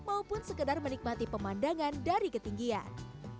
maupun sekedar menikmati pemandangan dari ketinggian